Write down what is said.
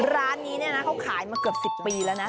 ร้านนี้เนี่ยนะเขาขายมาเกือบ๑๐ปีแล้วนะ